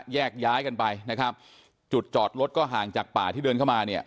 แยกย้ายกันไปนะครับจุดจอดรถก็ห่างจากป่าที่เดินเข้ามาเนี่ย